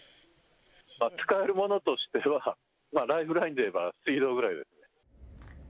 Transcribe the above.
使えるものとしては、ライフラインでいえば水道ぐらいです。